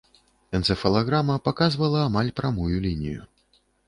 Энцэфалаграма паказвала амаль прамую лінію.